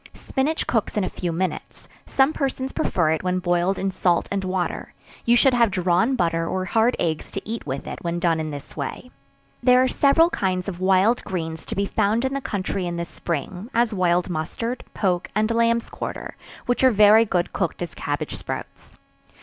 Spinach cooks in a few minutes; some persons prefer it when boiled in salt and water; you should have drawn butter or hard eggs to eat with it when done in this way. There are several kinds of wild greens to be found in the country in the spring, as wild mustard, poke and lambs quarter, which are very good cooked as cabbage sprouts.